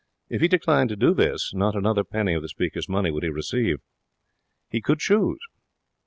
If he declined to do this, not another penny of the speaker's money would he receive. He could choose.